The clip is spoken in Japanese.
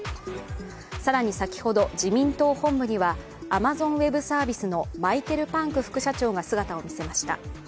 更に、先ほど自民党本部にはアマゾン・ウェブ・サービスのマイケル・パンク副社長が姿を見せました。